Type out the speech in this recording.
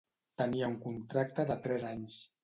Tenia un contracte de tres anys.